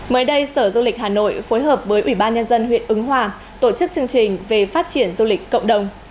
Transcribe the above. mới đây sở du lịch hà nội phối hợp với ủy ban nhân dân huyện ứng hòa tổ chức chương trình về phát triển du lịch cộng đồng